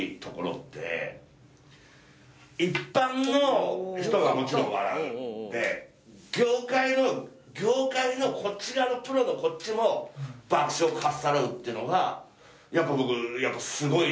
一般の人はもちろん笑う業界の業界のこっち側のプロのこっちも爆笑かっさらうっていうのが僕やっぱすごいなと思って。